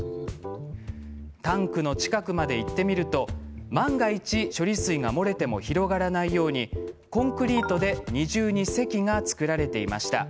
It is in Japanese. タンクの近くまで行ってみると万が一、処理水が漏れても広がらないようにコンクリートで２重にせきが作られていました。